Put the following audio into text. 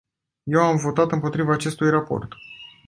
Eu am votat împotriva acestui raport.